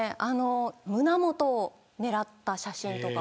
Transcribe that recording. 胸元を狙った写真とか。